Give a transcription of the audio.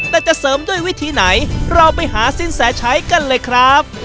แต่จะเสริมด้วยวิธีไหนเราไปหาสินแสชัยกันเลยครับ